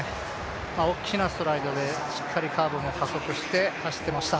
大きなストライドで、しっかりカーブも加速して走っていました。